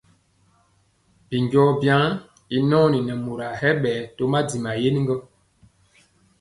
Binjɔɔ byaŋ i nɔɔni nɛ moraa hɛ ɓɛɛ to madiŋ mayen.